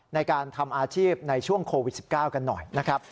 ในการทำอาชีพในช่วงโควิด๑๙กันหน่อยนะครับ